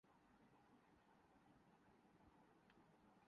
ایک نظر دوڑاتے ہوئے انگریزی میں کہا۔